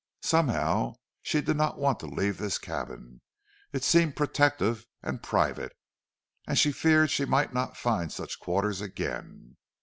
Somehow she did not want to leave this cabin. It seemed protective and private, and she feared she might not find such quarters again.